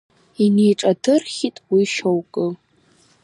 Инеиҿадырхьит уи шьоукы.